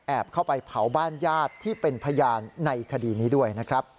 เข้าไปเผาบ้านญาติที่เป็นพยานในคดีนี้ด้วยนะครับ